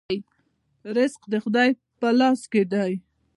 رزق د خدای په لاس کې دی